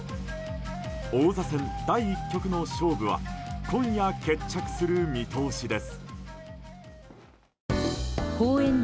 王座戦第１局の勝負は今夜決着する見通しです。